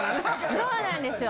そうなんですよ。